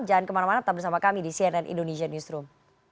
jangan kemana mana tetap bersama kami di cnn indonesia newsroom